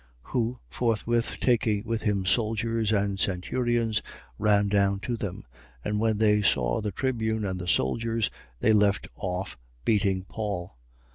21:32. Who, forthwith taking with him soldiers and centurions, ran down to them. And when they saw the tribune and the soldiers, they left off beating Paul.